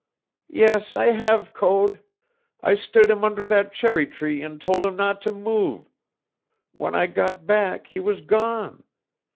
"Yes, I have, Code. I stood him under that cherry tree and told him not to move. When I got back he was gone.